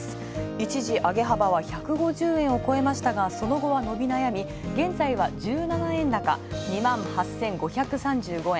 一時、上げ幅は１５０円を超えましたがその後は伸び悩み現在は１７円高、２万８５３５円。